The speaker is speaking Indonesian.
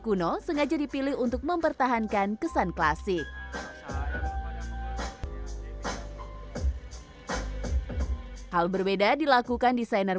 kuno sengaja dipilih untuk mempertahankan kesan klasik hal berbeda dilakukan desainer